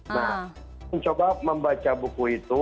nah mencoba membaca buku itu